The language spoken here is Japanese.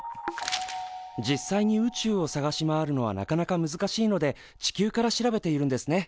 実際に宇宙を探し回るのはなかなか難しいので地球から調べているんですね。